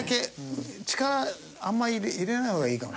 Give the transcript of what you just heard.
力あんまり入れない方がいいかも。